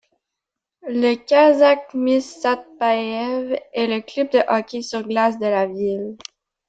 Le Kazakhmys Satpaïev est le club de hockey sur glace de la ville.